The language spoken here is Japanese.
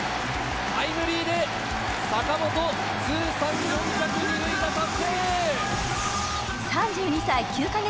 タイムリーで坂本通算４００二塁打達成！